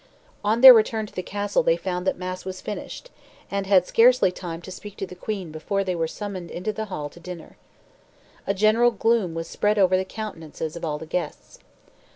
On their return to the castle they found that mass was finished, and had scarcely time to speak to the queen before they were summoned into the hall to dinner. A general gloom was spread over the countenances of all the guests.